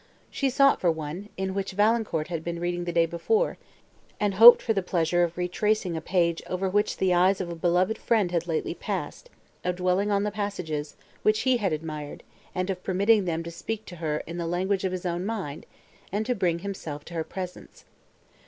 She sought for one, in which Valancourt had been reading the day before, and hoped for the pleasure of retracing a page, over which the eyes of a beloved friend had lately passed, of dwelling on the passages, which he had admired, and of permitting them to speak to her in the language of his own mind, and to bring himself to her presence.